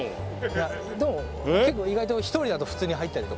いやでも結構意外と１人だと普通に入ったりとかします。